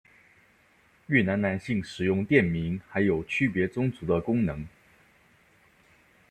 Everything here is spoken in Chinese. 越南男性使用垫名还有区别宗族的功能。